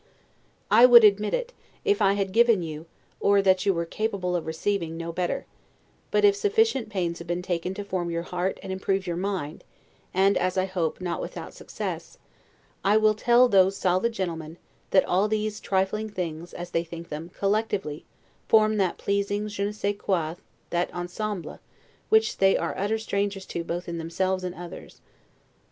I would admit it, if I had given you, or that you were capable of receiving, no better; but if sufficient pains have been taken to form your heart and improve your mind, and, as I hope, not without success, I will tell those solid gentlemen, that all these trifling things, as they think them, collectively, form that pleasing 'je ne sais quoi', that ensemble, which they are utter strangers to both in themselves and others.